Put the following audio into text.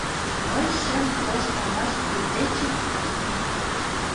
Мый шым тошт налаш туддечын акым.